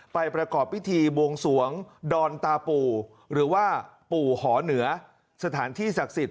ประกอบพิธีบวงสวงดอนตาปู่หรือว่าปู่หอเหนือสถานที่ศักดิ์สิทธิ